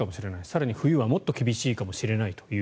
更に冬はもっと厳しいかもしれないと。